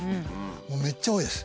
もうめっちゃ多いです。